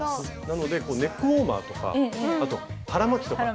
なのでネックウォーマーとかあと腹巻きとか。